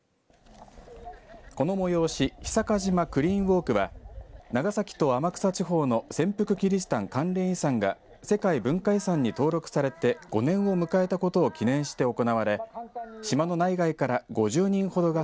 この催し久賀島クリーンウォークは長崎と天草地方の潜伏キリシタン関連遺産が世界文化遺産に登録されて５年を迎えたことを記念して行われ島の内外から５０人ほどが